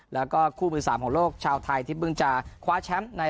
แล้วก็คู่มือ๓ของโลกชาวไทยที่เพิ่งจะคว้าแชมป์ใน